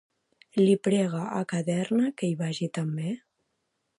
Li prega a Cadernera que hi vagi també?